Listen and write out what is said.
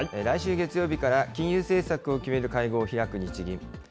来週月曜日から金融政策を決める会合を開く日銀。